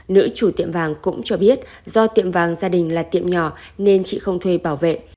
nữ chủ tiệm vàng cũng cho biết do tiệm vàng gia đình là tiệm nhỏ nên chị không thuê bảo vệ